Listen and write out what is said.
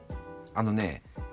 あのね